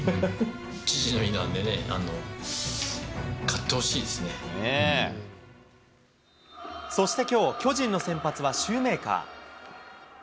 父の日なんでね、そしてきょう、巨人の先発はシューメーカー。